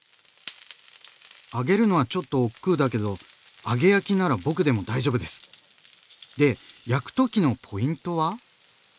揚げるのはちょっとおっくうだけど揚げ焼きなら僕でも大丈夫です！で焼く時のポイントは？